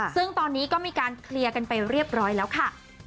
ซึ่งตอนนี้ก็มีการเคลียร์กันไปเรียบร้อยแล้วค่ะ